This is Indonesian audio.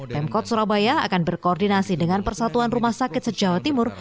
pemkot surabaya akan berkoordinasi dengan persatuan rumah sakit se jawa timur